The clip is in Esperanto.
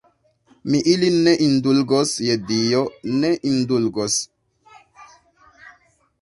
Mi ilin ne indulgos, je Dio, ne indulgos.